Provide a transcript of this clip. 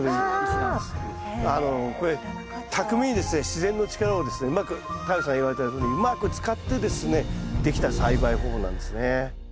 自然の力をですねうまく太陽さん言われたようにうまく使ってですねできた栽培方法なんですね。